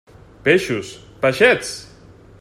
Peixos, peixets!